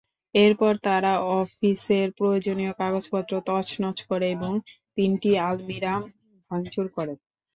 এরপর তারা অফিসের প্রয়োজনীয় কাগজপত্র তছনছ করে এবং তিনটি আলমিরা ভাঙচুর করে।